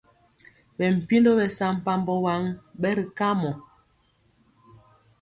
Bɛ mpindo besampabó waŋ bɛri kamɔ.